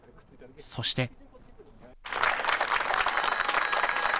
そして。